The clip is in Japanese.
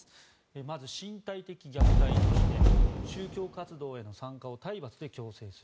まず身体的虐待として宗教活動への参加を体罰で強制する。